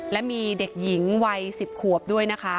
และมีเด็กหญิงวัย๑๐ขวบด้วยนะคะ